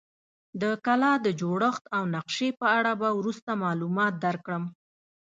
د کلا د جوړښت او نقشې په اړه به وروسته معلومات درکړم.